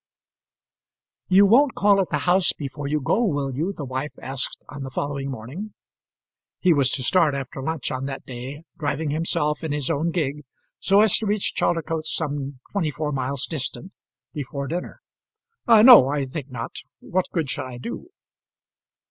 "You won't call at the house before you go, will you?" the wife asked on the following morning. He was to start after lunch on that day, driving himself in his own gig, so as to reach Chaldicotes, some twenty four miles distant, before dinner. "No, I think not. What good should I do?"